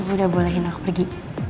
ibu udah bolehin aku pergi